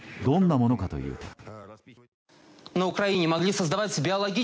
どんなものかというと。